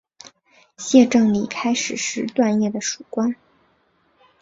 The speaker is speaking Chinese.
谢正礼开始是段业的属官。